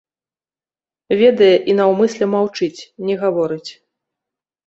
Ведае і наўмысля маўчыць, не гаворыць.